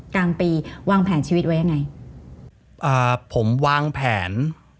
กลางปีวางแผนชีวิตไว้ยังไงอ่าผมวางแผน